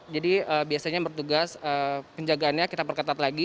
jadi biasanya bertugas penjagaannya kita perketat lagi